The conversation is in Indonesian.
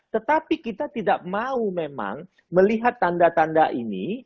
tetapi kita tidak mau memang melihat tanda tanda ini